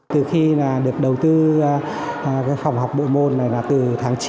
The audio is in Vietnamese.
từ khi được đầu tư phòng học bộ môn này là từ tháng chín